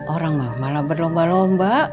orang malah berlomba lomba